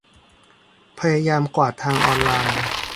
พยายามกวาดทางออนไลน์